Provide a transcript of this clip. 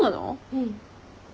うん。